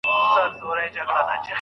حلیم